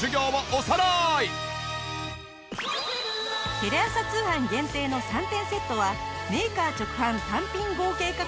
テレ朝通販限定の３点セットはメーカー直販単品合計価格